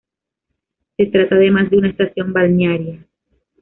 Se trata además de una estación balnearia.